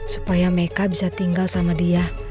supaya mereka bisa tinggal sama dia